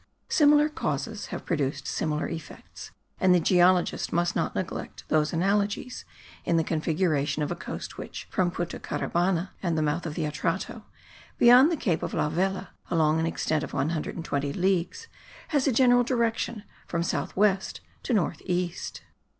Similar causes have produced similar effects; and the geologist must not neglect those analogies, in the configuration of a coast which, from Punta Caribana in the mouth of the Atrato, beyond the cape of La Vela, along an extent of 120 leagues, has a general direction from south west to north east.